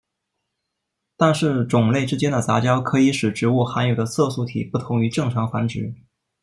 但是种类之间的杂交可以使植物含有的色素体不同于正常繁殖。